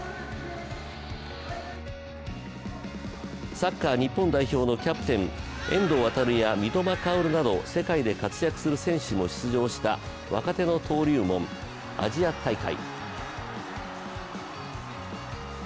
サッカー日本代表のキャプテン・遠藤航や三笘薫など世界で活躍する選手も出場した若手の登竜門・アジア大会。